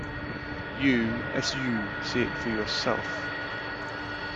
You s-you see it for yourself.